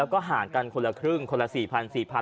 ก็ห่างกันคนละครึ่งคนละสี่พันสี่พัน